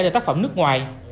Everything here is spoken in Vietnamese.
tại tác phẩm nước ngoài